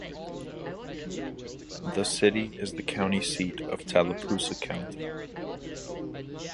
The city is the county seat of Tallapoosa County.